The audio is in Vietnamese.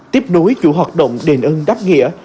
tiếp nối chủ hoạt động đền ơn đáp nghĩa